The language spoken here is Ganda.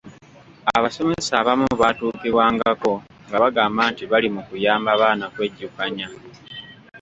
Abasomesa abamu baatuukibwangako nga bagamba nti bali mu kuyamba baana kwejjukanya.